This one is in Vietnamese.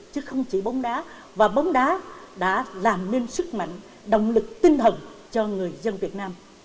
chứ không chỉ bóng đá và bóng đá đã làm nên sức mạnh động lực tinh thần cho người dân việt nam